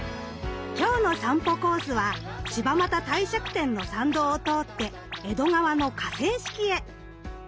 今日の散歩コースは柴又帝釈天の参道を通って江戸川の河川敷へ。